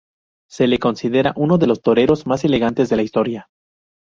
Se le considera uno de los toreros más elegantes de la historia.